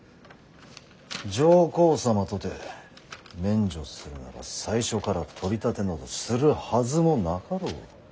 上皇様とて免除するなら最初から取り立てなどするはずもなかろう。